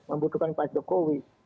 membutuhkan pak jokowi